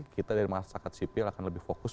kita dari masyarakat sipil akan lebih fokus